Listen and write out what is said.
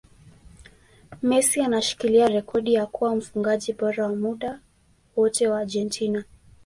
Messi anashikilia rekodi ya kuwa mfungaji bora wa muda wote wa Argentina